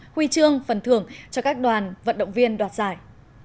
huy chương phần thưởng cho các đoàn vận động viên đoạt giải